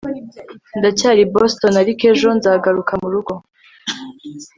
Ndacyari i Boston ariko ejo nzagaruka murugo